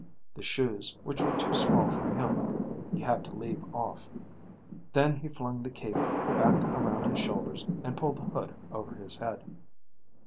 The shoes, which were too small for him, he had to leave off. Then he flung the cape back around his shoulders and pulled the hood over his head.